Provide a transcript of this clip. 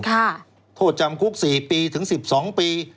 โทษจำคุก๔ปีถึง๑๒ปี